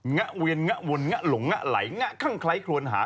ะเวียนงะวนงะหลงงะไหลงะคั่งไคร้คลวนหา